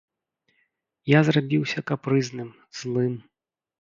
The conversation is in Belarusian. Я зрабіўся капрызным, злым.